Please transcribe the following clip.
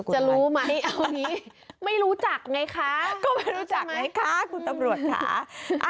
ก็ไม่รู้จักไงคะคุณตำรวจค่ะ